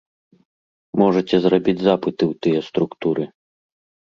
Можаце зрабіць запыты ў тыя структуры.